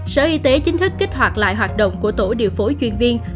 sở y tế chính thức kích hoạt lại hoạt động của tổ điều phối chuyên viên